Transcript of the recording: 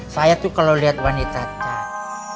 saya tuh kalau lihat wanita tan